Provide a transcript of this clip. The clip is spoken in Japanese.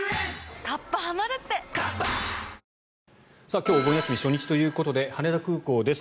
今日お盆休み初日ということで羽田空港です。